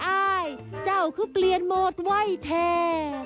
อายเจ้าคือเปลี่ยนโหมดไว้แท้